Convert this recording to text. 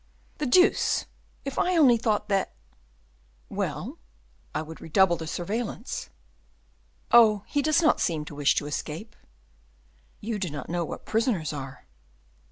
"The deuce! if I only thought that " "Well?" "I would redouble the surveillance." "Oh, he does not seem to wish to escape." "You do not know what prisoners are."